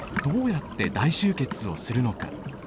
どうやって大集結をするのか。